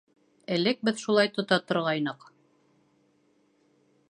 Элек беҙ шулай тота торғайныҡ.